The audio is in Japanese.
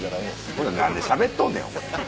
ほな何でしゃべっとんねん俺。